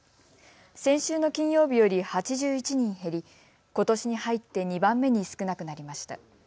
先週の金曜日より８１人減り、ことしに入って２番目に少なくなりました。